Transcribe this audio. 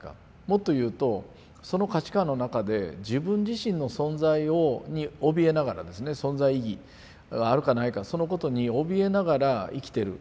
もっと言うとその価値観の中で自分自身の存在におびえながらですね存在意義があるかないかそのことにおびえながら生きてる。